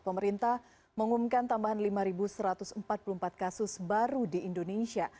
pemerintah mengumumkan tambahan lima satu ratus empat puluh empat kasus baru di indonesia